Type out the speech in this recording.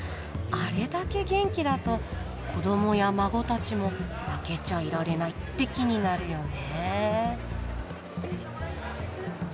あれだけ元気だと子どもや孫たちも「負けちゃいられない」って気になるよね。